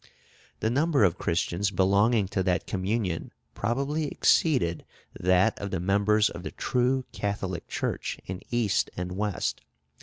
The number of Christians belonging to that communion probably exceeded that of the members of the true Catholic Church in East and West.